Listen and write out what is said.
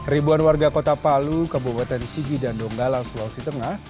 ribuan warga kota palu kabupaten sigi dan donggala sulawesi tengah